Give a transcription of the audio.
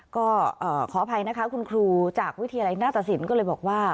ก็ขออภัยนะคะคุณครูจากวิทยาลัยหน้าตสินก็เลยบอกว่า